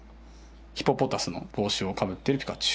ヒポポタスの帽子をかぶってるピカチュウ。